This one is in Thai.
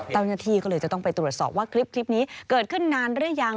เจ้าหน้าที่ก็เลยจะต้องไปตรวจสอบว่าคลิปนี้เกิดขึ้นนานหรือยัง